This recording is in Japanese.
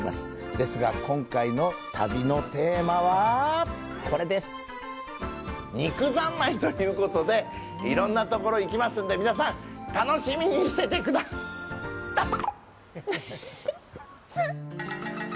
ですが、今回の旅のテーマは肉三昧ということでいろんなところ行きますので皆さん、楽しみにしててくだたいっ。